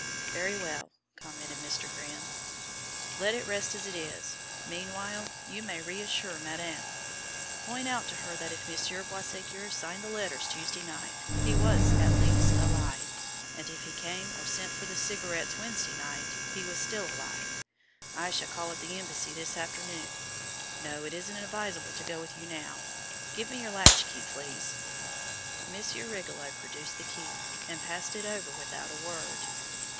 "Very well," commented Mr. Grimm. "Let it rest as it is. Meanwhile you may reassure madame. Point out to her that if Monsieur Boisségur signed the letters Tuesday night he was, at least, alive; and if he came or sent for the cigarettes Wednesday night, he was still alive. I shall call at the embassy this afternoon. No, it isn't advisable to go with you now. Give me your latch key, please." Monsieur Rigolot produced the key and passed it over without a word.